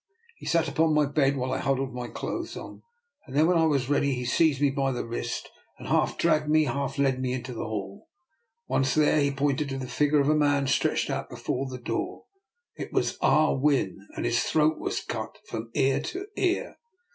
He sat upon my bed while I huddled my clothes on; then, when I was ready, he seized me by the wrist, and half dragged me, half led me into the hall. Once there, he pointed to the figure of a man stretched out before his door. It was Ah Win; and his throat was cut from ear to ear.